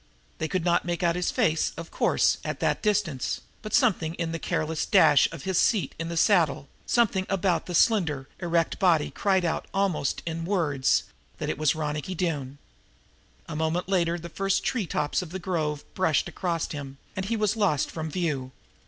They could not make out his face, of course, at that distance, but something in the careless dash of his seat in the saddle, something about the slender, erect body cried out almost in words that this was Ronicky Doone. A moment later the first treetops of the grove brushed across him, and he was lost from view.